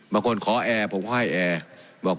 เมื่อกลอดขอแอไม่ได้